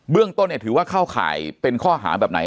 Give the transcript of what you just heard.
เรื่องต้นถือว่าเข้าข่ายเป็นข้อหาแบบไหน